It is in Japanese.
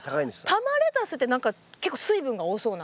玉レタスって何か結構水分が多そうな。